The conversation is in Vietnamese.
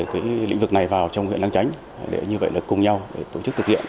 đồng bào lĩnh vực này vào trong huyện lang chánh để như vậy là cùng nhau tổ chức thực hiện